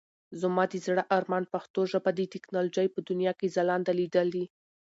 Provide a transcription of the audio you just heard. زما د زړه ارمان پښتو ژبه د ټکنالوژۍ په دنيا کې ځلانده ليدل دي.